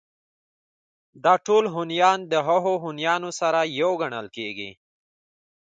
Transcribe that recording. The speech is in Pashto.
دا ټول هونيان د هغو هونيانو سره يو گڼل کېږي